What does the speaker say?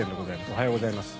「おはようございます」